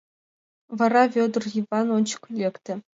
Вара Вӧдыр Йыван ончыко лекте.